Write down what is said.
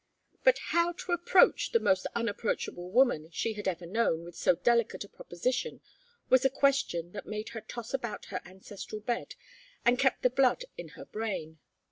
But how to approach the most unapproachable woman she had ever known with so delicate a proposition was a question that made her toss about her ancestral bed and kept the blood in her brain.